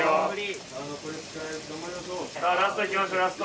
さあラストいきましょうラスト！